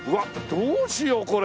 どうしようこれ。